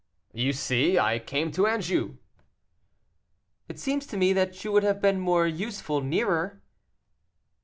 "You see, I came to Anjou." "It seems to me that you would have been more useful nearer."